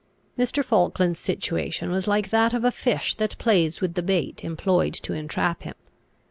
Mr. Falkland's situation was like that of a fish that plays with the bait employed to entrap him.